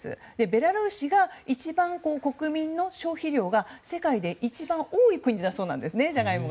ベラルーシが一番国民の消費量が世界で一番多い国だそうです。